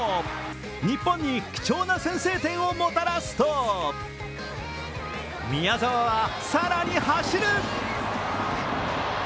日本に貴重な先制点をもたらすと宮澤は更に走る！